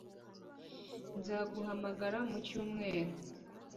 Nzaguhamagara mu cyumweru